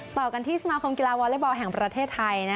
ต่อกันที่สมาคมกีฬาวอเล็กบอลแห่งประเทศไทย